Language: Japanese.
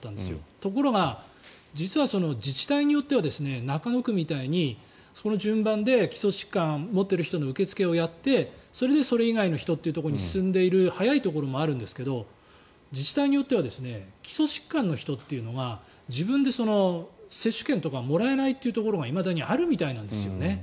ところが、実は自治体によっては中野区みたいにその順番で基礎疾患を持っている人の受け付けをやってそれでそれ以外の人というところに進んでいる早いところもあるんですけど自治体によっては基礎疾患の人というのが自分で接種券とかをもらえないというところがいまだにあるみたいなんですよね。